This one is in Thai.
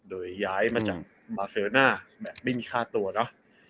โดยย้ายมาจากบาเซโรน่าแบบไม่มีค่าตัวเนอะ